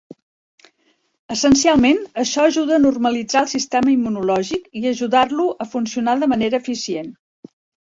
Essencialment, això ajuda a normalitzar el sistema immunològic i ajudar-lo a funcionar de manera eficient.